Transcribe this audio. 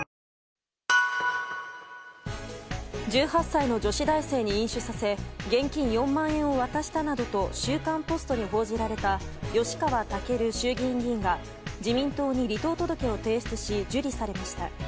１８歳の女子大生に飲酒させ現金４万円を渡したなどと「週刊ポスト」に報じられた吉川赳衆議院議員が自民党に離党届を提出し受理されました。